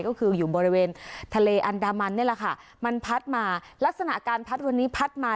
ก็คืออยู่บริเวณทะเลอันดามันนี่แหละค่ะมันพัดมาลักษณะการพัดวันนี้พัดมา